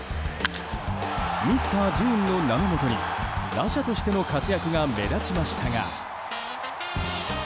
ミスター・ジューンの名のもとに打者としての活躍が目立ちましたが。